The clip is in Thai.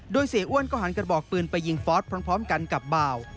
โดยเสียอ้วนก็หันกระบอกปืนไปยิงฟอสพร้อมกันกับบ่าว